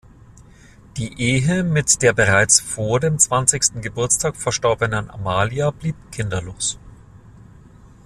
Die Ehe mit der bereits vor dem zwanzigsten Geburtstag verstorbenen Amalia blieb kinderlos.